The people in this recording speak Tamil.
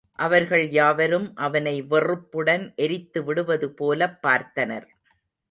அவர்கள் யாவரும் அவனை வெறுப்புடன் எரித்துவிடுவது போலப் பார்த்தனர்.